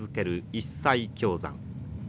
一切経山。